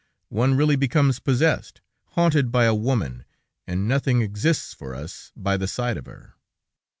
One really becomes possessed, haunted by a woman, and nothing exists for us, by the side of her.